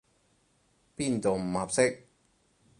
邊度唔合適？